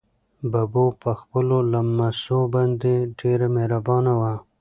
ببو په خپلو لمسو باندې ډېره مهربانه وه.